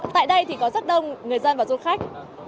tại đây thì có rất đông người dân và du khách